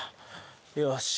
よし